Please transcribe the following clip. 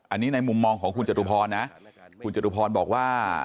อันนี้ในมุมมองของคุณจตุพรนะคุณจตุพรบอกว่า